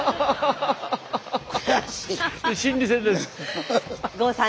悔しい！